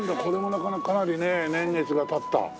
これもなかなかかなりね年月が経った。